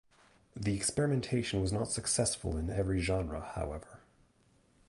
The experimentation was not successful in every genre, however.